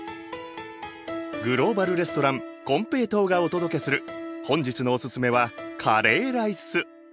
グローバル・レストランこんぺいとうがお届けする本日のオススメはカレーライス。